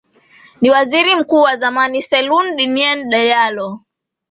ni waziri mkuu wa zamani seloun denien dialo